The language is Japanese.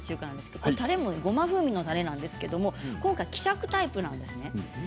たれも、ごま風味のたれなんですけれど今回は希釈タイプなんですね。